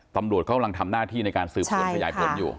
ตำรวจเขากำลังทำหน้าที่ในการสืบสวนขยายผลอยู่